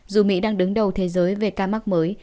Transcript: dù mỹ đang đứng đầu thế giới về ca mắc mới